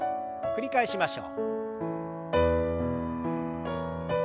繰り返しましょう。